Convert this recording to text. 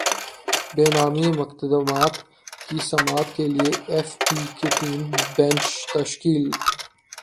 بے نامی مقدمات کی سماعت کیلئے ایف بی کے تین بینچ تشکیل